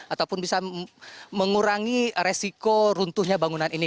ataupun bisa mengurangi resiko runtuhnya bangunan ini